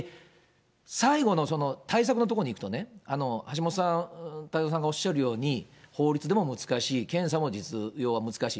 最後の対策のところにいくとね、橋下さん、太蔵さんがおっしゃるように、法律でも難しい、検査も実用は難しい。